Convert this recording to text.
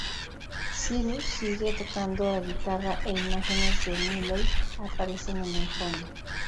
Cyrus sigue tocando la guitarra e imágenes de Miley aparecen en el fondo.